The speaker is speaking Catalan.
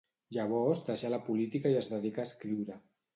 Llavors deixà la política i es dedicà a escriure.